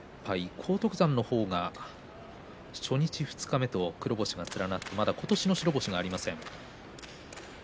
荒篤山は初日二日目と黒星が連なってまだ今年の白星がありません。